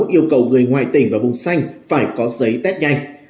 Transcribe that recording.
yêu cầu người ngoài tỉnh và vùng xanh phải có giấy test nhanh